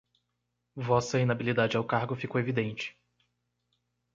Vossa inabilidade ao cargo ficou evidente